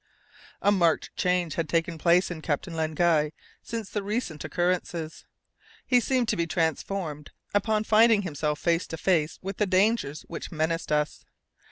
A marked change had taken place in Captain Len Guy since the recent occurrences. He seemed to be transformed upon finding himself face to face with the dangers which menaced us.